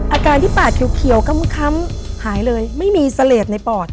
อาการที่ปาดเขียวค้ำหายเลยไม่มีเสลดในปอด